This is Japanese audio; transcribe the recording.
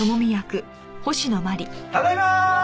ただいまー！